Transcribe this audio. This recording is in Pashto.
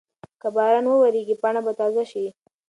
که باران وورېږي پاڼه به تازه شي.